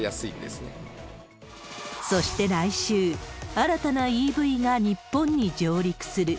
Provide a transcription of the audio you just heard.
そして来週、新たなＥＶが日本に上陸する。